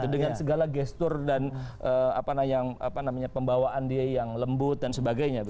dengan segala gestur dan pembawaan dia yang lembut dan sebagainya